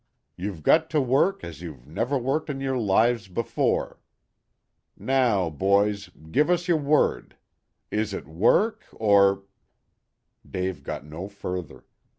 You've got to work as you never worked in your lives before. Now, boys, give us your word. Is it work or " Dave got no further.